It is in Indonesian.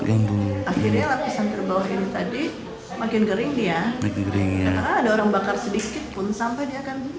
akhirnya lapisan terbawah ini tadi makin gering dia karena ada orang bakar sedikit pun sampai dia akan jadi